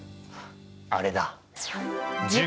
あれだ。